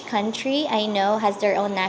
từ những chiếc áo khác